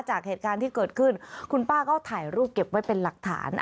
จากเหตุการณ์ที่เกิดขึ้นคุณป้าก็ถ่ายรูปเก็บไว้เป็นหลักฐาน